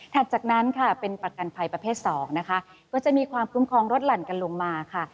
จากนั้นค่ะเป็นประกันภัยประเภทสองนะคะก็จะมีความคุ้มครองรถหลั่นกันลงมาค่ะ